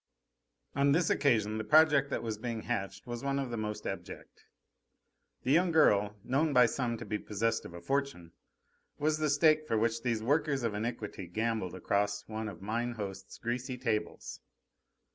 On this occasion the project that was being hatched was one of the most abject. A young girl, known by some to be possessed of a fortune, was the stake for which these workers of iniquity gambled across one of mine host's greasy tables.